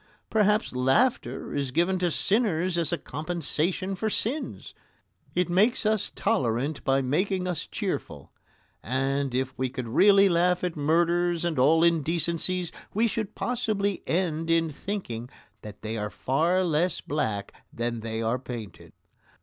Perhaps laughter is given to sinners as a compensation for sins. It makes us tolerant by making us cheerful, and if we could really laugh at murders and all indecencies, we should possibly end in thinking that they are far less black than they are painted.